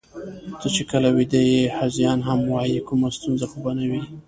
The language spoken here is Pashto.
ته چې کله ویده یې، هذیان هم وایې، کومه ستونزه خو به نه وي؟